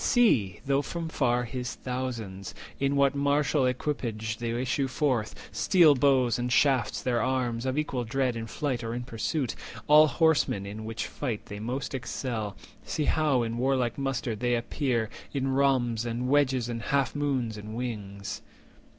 See, though from far, His thousands, in what martial equipage They issue forth, steel bows and shafts their arms, Of equal dread in flight or in pursuit— All horsemen, in which fight they most excel; See how in warlike muster they appear, In rhombs, and wedges, and half moons, and wings."